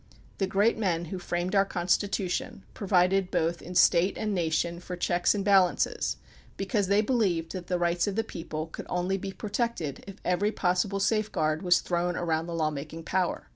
The great men who framed our Constitution provided both in state and nation for checks and balances because they believed that the rights of the people could only be protected if every possible safeguard was thrown around the law making power.